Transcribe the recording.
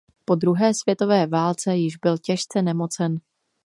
Po druhé světové válce již byl těžce nemocen.